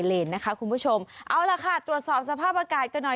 เลนนะคะคุณผู้ชมเอาล่ะค่ะตรวจสอบสภาพอากาศกันหน่อย